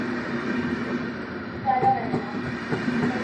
因此世界文化博物馆也是法兰克福博物馆岸最早的博物馆之一。